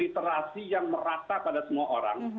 literasi yang merata pada semua orang